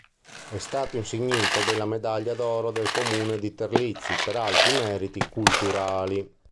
È stato insignito della medaglia d'oro del Comune di Terlizzi per alti meriti culturali.